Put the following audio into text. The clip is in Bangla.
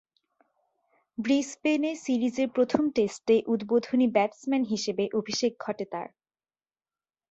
ব্রিসবেনে সিরিজের প্রথম টেস্টে উদ্বোধনী ব্যাটসম্যান হিসেবে অভিষেক ঘটে তার।